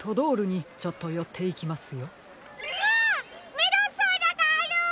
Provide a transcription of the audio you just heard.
メロンソーダがある！